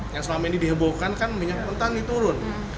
yang selama ini dihebohkan kan minyak mentah diturun